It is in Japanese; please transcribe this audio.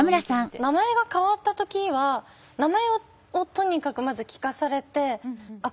名前が変わった時は名前をとにかくまず聞かされてあっ